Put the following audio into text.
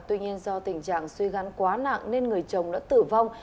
tuy nhiên do tình trạng suy gan quá nặng nên người chồng đã tử vong